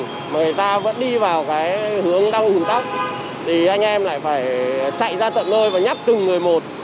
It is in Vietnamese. mà người ta vẫn đi vào hướng đăng ồn tắc thì anh em lại phải chạy ra tận nơi và nhắc từng người một